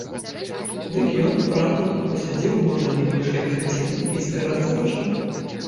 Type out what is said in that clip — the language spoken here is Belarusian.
Дык ён, праўда, пасядзеў можа не больш як гадзіну і збірацца пачаў.